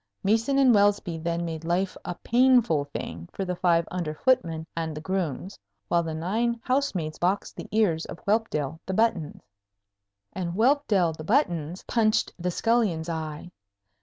Meeson and Welsby then made life a painful thing for the five under footmen and the grooms, while the nine house maids boxed the ears of Whelpdale the Buttons, and Whelpdale the Buttons punched the scullion's eye.